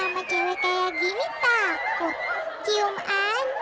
sama cewek kayak gini takut ciuman